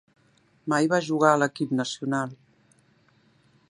Mai va jugar a l'equip nacional.